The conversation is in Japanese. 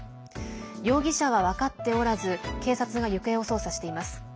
容疑者は分かっておらず警察が行方を捜査しています。